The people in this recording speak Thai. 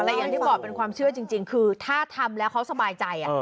แต่อย่างที่บอกเป็นความเชื่อจริงคือถ้าทำแล้วเขาสบายใจ